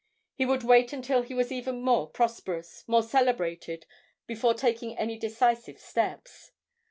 He would wait until he was even more prosperous, more celebrated, before taking any decisive steps.